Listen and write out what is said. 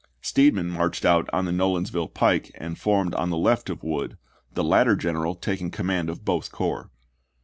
Steedman marched out on the Nolensville pike and formed on the left of Wood, the latter general taking command of both corps.